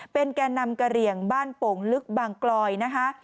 เป็นแก่นำกระเหลี่ยงบ้านโป่งลึกบางกลอยนะคะ